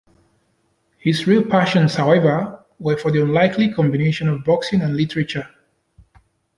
His real passions, however, were for the unlikely combination of boxing and literature.